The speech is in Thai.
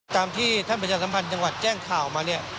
ตามที่ท่านประชาสัมพันธ์จังหวัดแจ้งข่าวมาเนี่ย